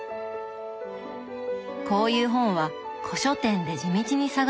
こういう本は古書店で地道に探すしかないそう。